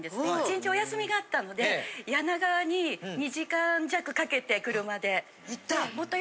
１日お休みがあったので柳川に２時間弱かけて車で。